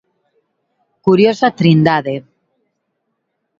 Curiosa trindade.